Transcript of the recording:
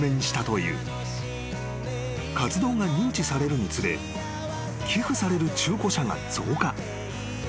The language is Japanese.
［活動が認知されるにつれ寄付される中古車が増加］